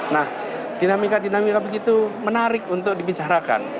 nah dinamika dinamika begitu menarik untuk dibicarakan